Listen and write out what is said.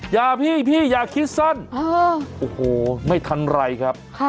อย่าพี่พี่อย่าคิดสั้นโอ้โหไม่ทันไรครับ